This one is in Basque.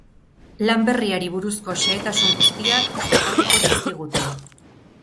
Lan berriari buruzko xehetasun guztiak kontatuko dizkigute.